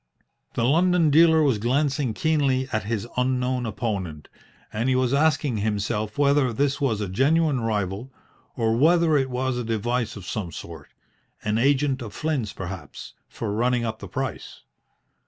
The London dealer was glancing keenly at his unknown opponent, and he was asking himself whether this was a genuine rival, or whether it was a device of some sort an agent of Flynn's perhaps for running up the price.